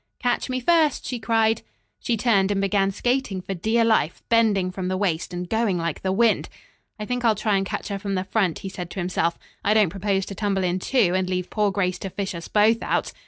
"Catch me first!" she cried. She turned and began skating for dear life, bending from the waist and going like the wind. "I think I'll try and catch her from the front," he said to himself. "I don't propose to tumble in, too, and leave poor Grace to fish, us both out."